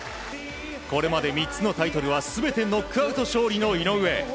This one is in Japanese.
これまで３つのタイトルは全てノックアウト勝利の井上。